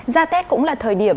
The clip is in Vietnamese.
gia tết cũng là thời điểm